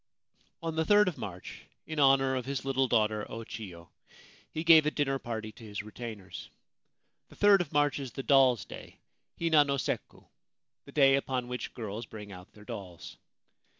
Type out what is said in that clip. On the 3rd of March, in honour of his little daughter O Chio, he gave a dinner party to his retainers. The 3rd of March is the Dolls' Day (Hina no sekku) — the day upon which girls bring out their dolls.